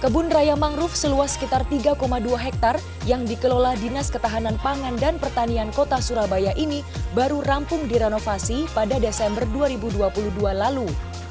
kebun raya mangrove seluas sekitar tiga dua hektare yang dikelola dinas ketahanan pangan dan pertanian kota surabaya ini baru rampung direnovasi pada desember dua ribu dua puluh dua lalu